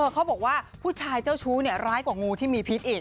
เขาบอกว่าผู้ชายเจ้าชู้ร้ายกว่างูที่มีพิษอีก